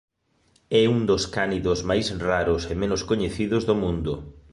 É un dos cánidos máis raros e menos coñecidos do mundo.